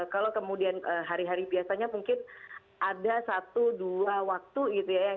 kalau kemudian hari hari biasanya mungkin ada satu dua waktu gitu ya